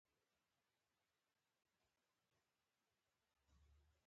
د دا يوه ادامه کوڼۍ مې خوږ شي